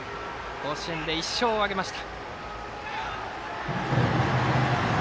甲子園で１勝を挙げました。